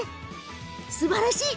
すばらしい。